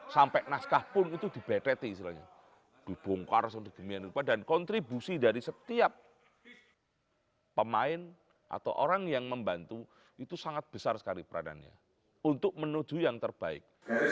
sampai naskah pun itu dibeteti istilahnya dibongkar sedemikian rupa dan kontribusi dari setiap pemain atau orang yang membantu itu sangat besar sekali peranannya untuk menuju yang terbaik